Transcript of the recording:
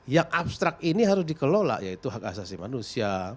yang abstrak ini harus dikelola yaitu hak asasi manusia